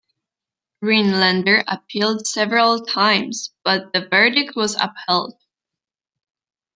Rhinelander appealed several times but the verdict was upheld.